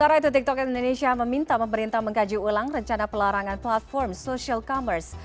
sementara itu tiktok indonesia meminta pemerintah mengkaji ulang rencana pelarangan platform social commerce